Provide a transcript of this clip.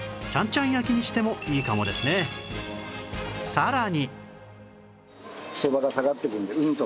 さらに